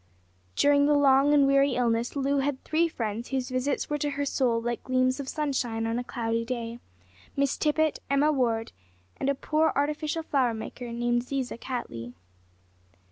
During the long and weary illness Loo had three friends whose visits were to her soul like gleams of sunshine on a cloudy day Miss Tippet, Emma Ward, and a poor artificial flower maker named Ziza Cattley.